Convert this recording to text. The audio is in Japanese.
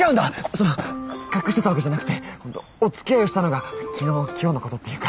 その隠してたわけじゃなくておつきあいをしたのが昨日今日のことっていうか。